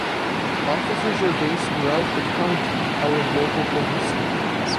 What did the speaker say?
Officers are based throughout the county out of local police stations.